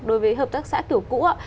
đối với hợp tác xã kiểu cũ ạ